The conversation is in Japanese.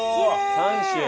３種。